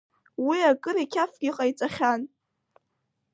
Уи акыр иқьафгьы ҟаиҵахьан.